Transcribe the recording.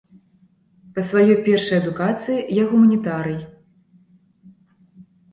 Па сваёй першай адукацыі я гуманітарый.